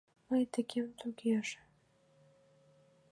Мый декем тугеже